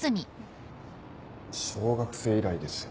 小学生以来ですよ。